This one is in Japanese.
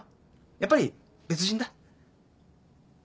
やっぱり別人だ。